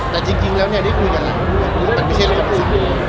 แต่จริงจริงแล้วนี่คุยกันพี่